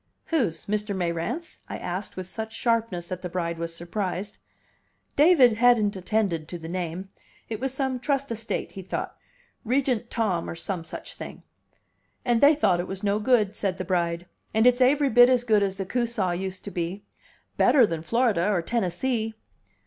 "Whose? Mr. Mayrant's?" I asked with such sharpness that the bride was surprised. David hadn't attended to the name. It was some trust estate, he thought; Regent Tom, or some such thing. "And they thought it was no good," said the bride. "And it's aivry bit as good as the Coosaw used to be. Better than Florida or Tennessee."